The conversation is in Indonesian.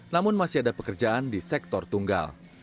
namun masih ada pekerjaan di sektor tunggal